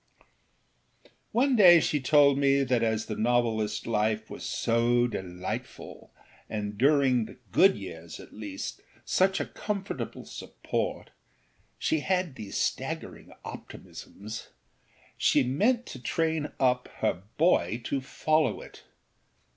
One day she told me that as the novelistâs life was so delightful and during the good years at least such a comfortable support (she had these staggering optimisms) she meant to train up her boy to follow it.